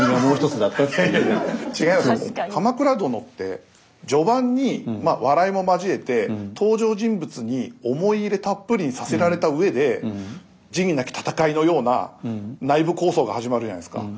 「鎌倉殿」って序盤に笑いも交えて登場人物に思い入れたっぷりにさせられた上で仁義なき戦いのような内部抗争が始まるじゃないですか。